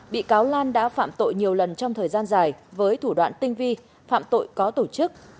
bị cáo lan đã phạm tội nhiều lần trong thời gian dài với thủ đoạn tinh vi phạm tội có tổ chức